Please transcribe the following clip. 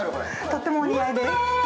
とってもお似合いです。